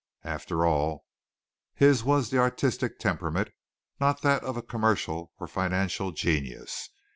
After all, his was the artistic temperament, not that of a commercial or financial genius.